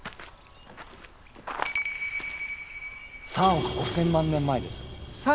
３億５，０００万年前です。